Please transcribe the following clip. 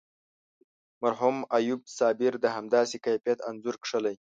مرحوم ایوب صابر د همداسې کیفیت انځور کښلی.